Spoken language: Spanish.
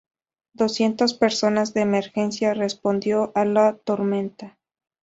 Doscientos personal de emergencia respondió a la tormenta.